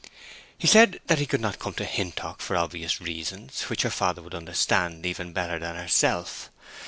He said that he could not come to Hintock for obvious reasons, which her father would understand even better than herself.